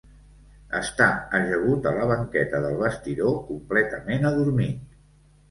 Està ajagut a la banqueta del vestidor, completament adormit.